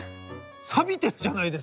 さびてるじゃないですか！